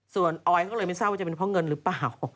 ส่วนออยก็เลยไม่ทราบว่าจะเป็นเพราะเงินหรือเปล่า